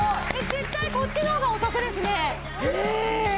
絶対こっちの方がお得ですねえーっ？